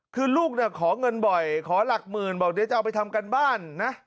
คือลูกขอเงินบ่อยขอหลักหมื่นบอกเดี๋ยวจะเอาไปทำการบ้านนะ